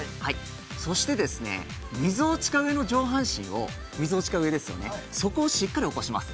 そして、みぞおち上の上半身をしっかり起こします。